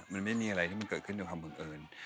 มันไม่มีอะไรที่มันเกิดขึ้นในความบังเอิญ